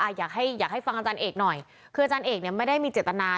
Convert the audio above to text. อยากให้อยากให้ฟังอาจารย์เอกหน่อยคืออาจารย์เอกเนี่ยไม่ได้มีเจตนา